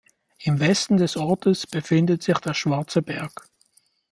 Im Westen des Ortes befindet sich der Schwarze Berg.